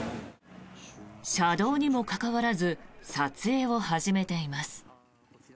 車道にもかかわらず撮影を始めています。